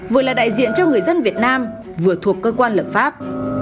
vừa là đại diện cho người dân việt nam vừa thuộc cơ quan lập pháp